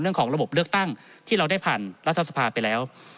เรื่องของระบบเลือกตั้งที่เราได้ผ่านรัฐสภาไปแล้ว